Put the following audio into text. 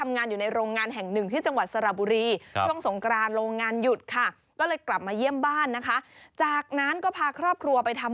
อย่างคุ้นดิฉันคุ้นว่าแล้ว